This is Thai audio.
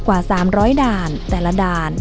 กว่า๓๐๐ด่าน